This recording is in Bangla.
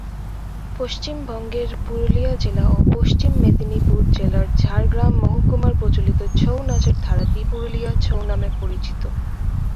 পশ্চিমবঙ্গের পুরুলিয়া জেলা ও পশ্চিম মেদিনীপুর জেলার ঝাড়গ্রাম মহকুমায় প্রচলিত ছৌ নাচের ধারাটি পুরুলিয়া ছৌ নামে পরিচিত।